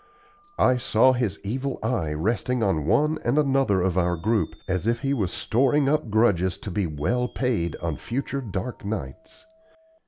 I saw his evil eye resting on one and another of our group, as if he was storing up grudges to be well paid on future dark nights.